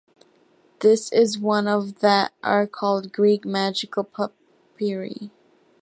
This is one of that are called Greek Magical Papyri.